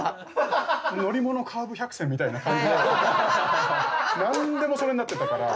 乗り物カーブ１００選みたいな感じで何でもそれになってたから。